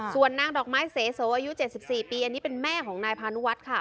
ส่วนนางดอกไม้เสโสอายุ๗๔ปีอันนี้เป็นแม่ของนายพานุวัฒน์ค่ะ